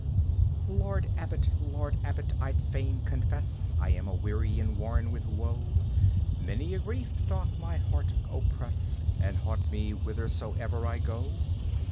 "Lord Abbot! Lord Abbot! I'd fain confess; I am a weary, and worn with woe; Many a grief doth my heart oppress, And haunt me whithersoever I go!"